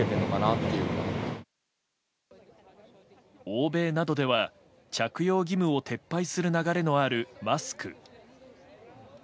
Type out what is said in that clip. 欧米などでは、着用義務を撤廃する流れのあるマスク。